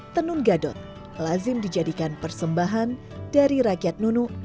tenun gadot lazim dijadikan persembahan dari rakyat nunuk